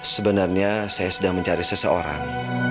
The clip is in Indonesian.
sebenarnya saya sedang mencari seseorang